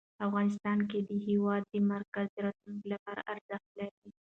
افغانستان کې د هېواد مرکز د راتلونکي لپاره ارزښت لري.